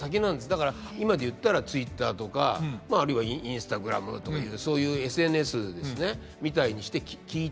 だから今で言ったらツイッターとかあるいはインスタグラムとかいうそういうＳＮＳですねみたいにして聞いてると。